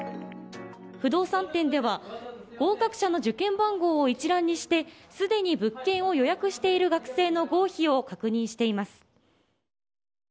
不動産店では合格者の受験番号を一覧にしてすでに物件を予約している学生の合否を確認しています。